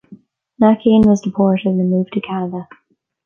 Nakane was deported and moved to Canada.